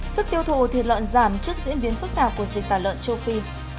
sức tiêu thụ thịt lợn giảm trước diễn biến phức tạp của dịch tả lợn châu phi